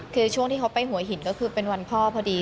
คือช่วงที่เขาไปหัวหินก็คือเป็นวันพ่อพอดี